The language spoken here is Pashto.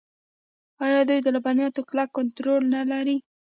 آیا دوی د لبنیاتو کلک کنټرول نلري؟